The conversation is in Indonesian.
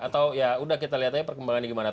atau ya udah kita lihat aja perkembangan ini gimana